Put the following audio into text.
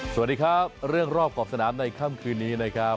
สวัสดีครับเรื่องรอบขอบสนามในค่ำคืนนี้นะครับ